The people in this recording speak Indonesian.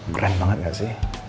brand banget nggak sih